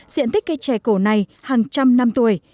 diện tích cây trẻ cổ này hàng trăm năm tuổi